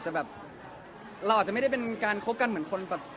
ใช่ครับไม่รู้ว่าเขาอยากคุยกับผมหรือเปล่า